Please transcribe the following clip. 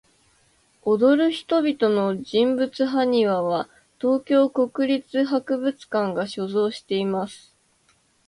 踊る人々の人物埴輪は、東京国立博物館が所蔵しています。